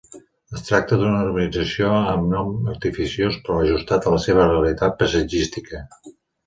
Es tracta d'una urbanització amb un nom artificiós però ajustat a la seva realitat paisatgística.